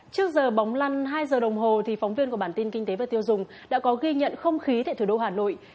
trước giờ bóng lăn hai giờ đồng hồ phóng viên của bản tin kinh tế và tiêu dùng đã có ghi nhận không khí tại thủ đô hà nội